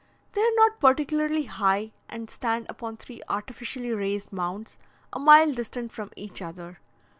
They are not particularly high, and stand upon three artificially raised mounds, a mile distant from each other.